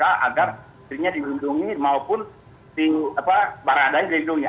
agar dirinya dilindungi maupun barang adanya dirinya dilindungi